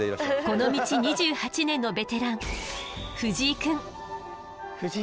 この道２８年のベテラン藤井くん。